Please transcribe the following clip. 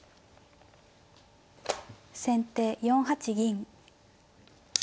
先手４八銀。